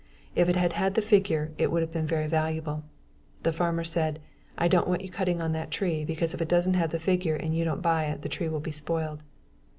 If it had had the figure, it would have been very valuable. The farmer said, "I don't want you cutting on that tree because if it doesn't have the figure and you don't buy it, the tree will be spoiled."